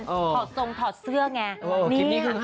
ถอดทรงถอดเสื้อไง